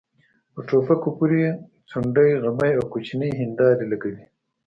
په ټوپکو پورې ځونډۍ غمي او کوچنۍ هيندارې لګوي.